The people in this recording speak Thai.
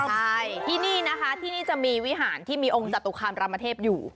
ใช่ที่นี่นะคะที่นี่จะมีวิหารที่มีองค์จตุคามรามเทพอยู่